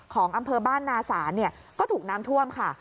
ของอำเภอบ้านนาศาลก็ถูกน้ำท่วมค่ะ